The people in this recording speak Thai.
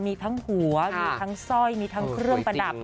มีทั้งหัวมีทั้งสร้อยมีทั้งเครื่องประดับ